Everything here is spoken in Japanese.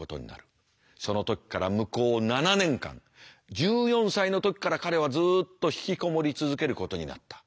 その時から向こう７年間１４歳の時から彼はずっと引きこもり続けることになった。